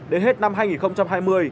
đến hết năm hai nghìn hai mươi